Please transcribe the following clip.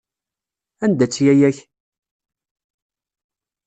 Anda-tt yaya-k?